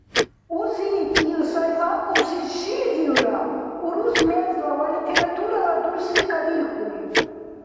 Узиб ил сай акӀубси шилизивра, урус мезла ва литературала дурсри кадирхьули.